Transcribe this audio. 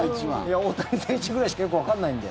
大谷選手くらいしかよくわからないんで。